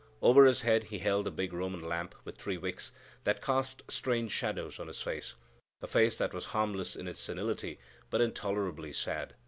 Over his head he held a big Roman lamp, with three wicks, that cast strange shadows on his face,—a face that was harmless in its senility, but intolerably sad.